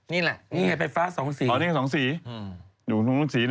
นี่ล่ะนี่ไงเป็นฟ้าสองสีอ๋อนี่สองสี